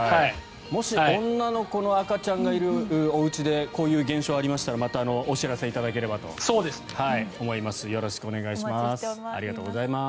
もし女の子の赤ちゃんがいるお家でこういう現象がありましたらまたお知らせいただけたらと思います。